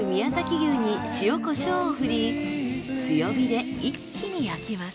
牛に塩コショウをふり強火で一気に焼きます。